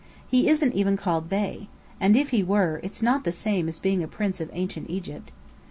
He isn't even called Bey. And if he were, its not the same as being a prince of Ancient Egypt."